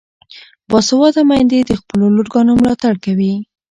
باسواده میندې د خپلو لورګانو ملاتړ کوي.